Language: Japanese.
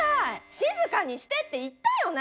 静かにしてって言ったよね！